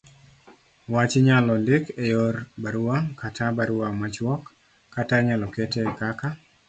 wach Inyalo ndik e yor barua ,kata barua machuok, kata inyalo kete kaka